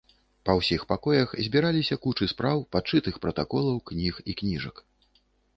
Па ўсіх пакоях збіраліся кучы спраў, падшытых пратаколаў, кніг і кніжак.